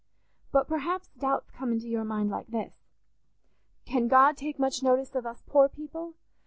"But perhaps doubts come into your mind like this: Can God take much notice of us poor people?